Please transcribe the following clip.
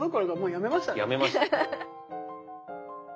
やめましたね。